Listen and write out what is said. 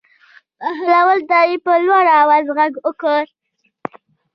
بهلول ته یې په لوړ آواز غږ وکړ.